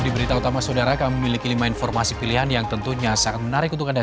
di berita utama saudara kami memiliki lima informasi pilihan yang tentunya sangat menarik untuk anda